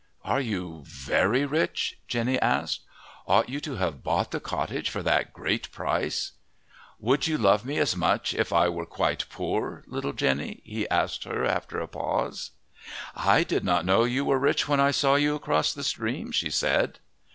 "Are you very rich?" Jenny asked. "Ought you to have bought the cottage for that great price?" "Would you love me as much if I were quite poor, little Jenny?" he asked her after a pause. "I did not know you were rich when I saw you across the stream," she said.